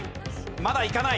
まだいかない。